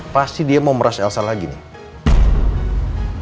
pasti dia mau meras elsa lagi nih